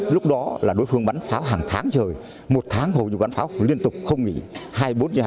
lúc đó là đối phương bắn pháo hàng tháng trời một tháng hầu như bắn pháo liên tục không nghỉ hai mươi bốn h hai mươi bốn